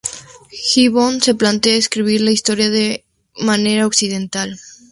Gibbon se plantea escribir la historia de manera accidental.